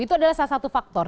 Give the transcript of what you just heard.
itu adalah salah satu faktor